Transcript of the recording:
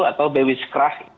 atau bewi skrah